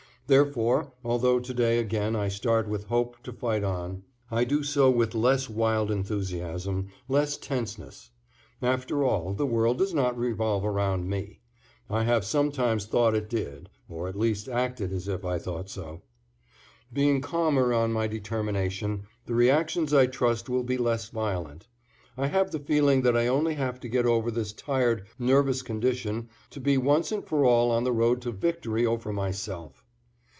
Therefore, although to day again I start with hope to fight on, I do so with less wild enthusiasm, less tenseness. After all, the world does not revolve around me. I have sometimes thought it did, or at least acted as if I thought so. Being calmer on my determination, the reactions I trust will be less violent. I have the feeling that I only have to get over this tired, nervous condition to be once and for all on the road to victory over myself.